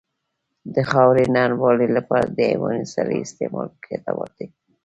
د خاورې نرموالې لپاره د حیواني سرې استعمال ګټور دی.